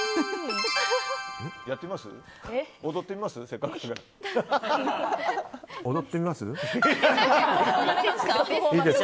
やってみます？